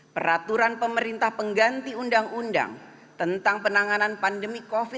peraturan pemerintah pengganti undang undang tentang penanganan pandemi covid sembilan belas